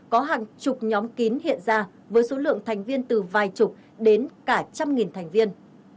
có hàng chục nhóm kín hiện ra với số lượng thành viên từ vài chục đến cả trăm nghìn thành viên